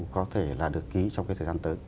có thể là được ký trong cái thời gian tới